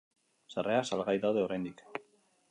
Sarrerak salgai daude oraindik.